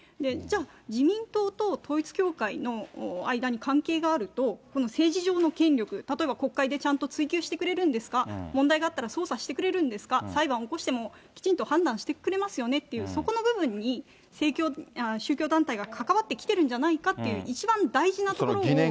じゃあ、自民党と統一教会の間に関係があると、この政治上の権力、例えば国会でちゃんと追及してくれるんですか、問題があったら捜査してくれるんですか、裁判起こしてもきちんと判断してくれますよねっていう、そこの部分に宗教団体が関わってきてるんじゃないかっていう、一番大事なところを。